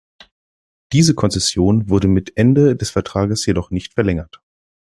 Diese Konzession wurde mit Ende des Vertrags jedoch nicht verlängert.